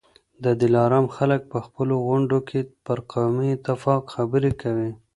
د دلارام خلک په خپلو غونډو کي پر قومي اتفاق خبرې کوي.